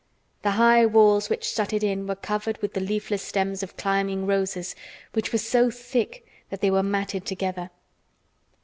The high walls which shut it in were covered with the leafless stems of climbing roses which were so thick that they were matted together.